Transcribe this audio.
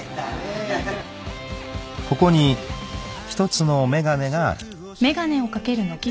［ここに一つの眼鏡がある］